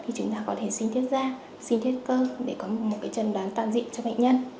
thì chúng ta có thể xin thiết da xin thiết cơ để có một chẩn đoán toàn diện cho bệnh nhân